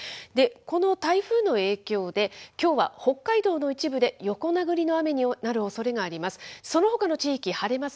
この台風の影響で、きょうは北海道の一部で、横殴りの雨になるおそれがあります。